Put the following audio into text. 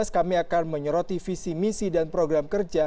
kami akan menyoroti visi misi dan program kerja